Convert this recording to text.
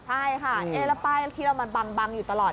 ใช่ค่ะแล้วป้ายที่เรามันบังอยู่ตลอด